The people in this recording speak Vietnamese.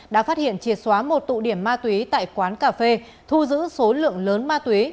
đã phát hiện triệt xóa một tụ điểm ma túy tại quán cà phê thu giữ số lượng lớn ma túy